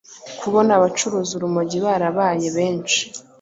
kubona abacuruza urumogi barabaye benshi